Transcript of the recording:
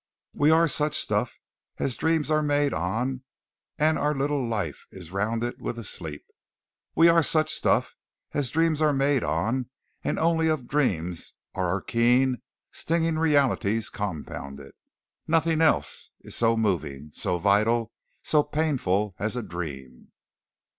"We are such stuff as dreams are made on and our little life is rounded with a sleep." We are such stuff as dreams are made on, and only of dreams are our keen, stinging realities compounded. Nothing else is so moving, so vital, so painful as a dream.